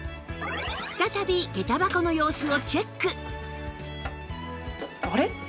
再び下駄箱の様子をチェック！